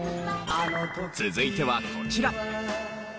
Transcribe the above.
続いてはこちら。